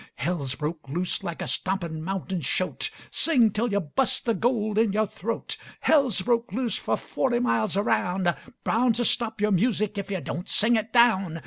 Hell's broke loose like a stompin' mountain shoat, Sing till yuh bust the gold in yore throat! Hell's broke loose for forty miles aroun' Bound to stop yore music if yuh don['t sing it down.